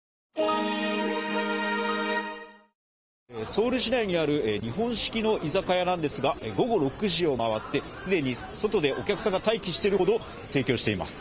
ソウル氏内にある日本式の居酒屋なんですが、午後６時を回って、既に外でお客さんが待機しているほど盛況しています。